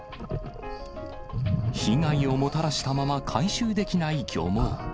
被害をもたらしたまま回収できない漁網。